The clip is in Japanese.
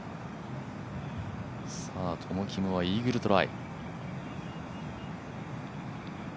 トム・キムはイーグルトライ。